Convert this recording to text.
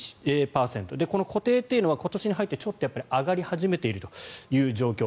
この固定というのは今年に入ってちょっと上がり始めているという状況。